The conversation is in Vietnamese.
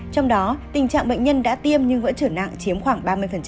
trong đó tình trạng bệnh nhân đã tiêm nhưng vẫn trở nặng chiếm khoảng ba mươi